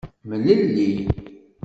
Mlelli.